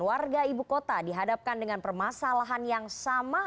warga ibu kota dihadapkan dengan permasalahan yang sama